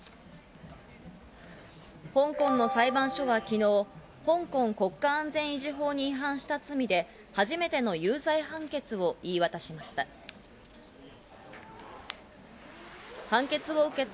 香港の裁判所は昨日、香港国家安全維持法に違反した罪で初めての有罪判決を言い渡しました。